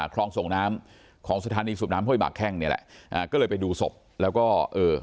คลองส่งน้ำของสถานีสูบน้ำห้วยหมากแข้งเนี่ยแหละอ่าก็เลยไปดูศพแล้วก็เอ่อ